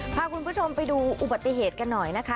พาคุณผู้ชมไปดูอุบัติเหตุกันหน่อยนะคะ